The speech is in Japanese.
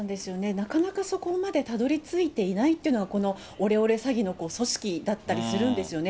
なかなかそこまでたどりついていないというのが、このオレオレ詐欺の組織だったりするんですよね。